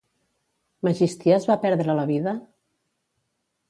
Megisties va perdre la vida?